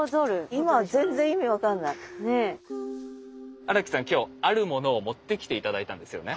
今日あるものを持ってきて頂いたんですよね。